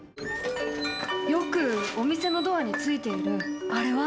よくお店のドアについているあれは？